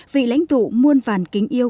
vị lãnh tụ muôn vàn kính yêu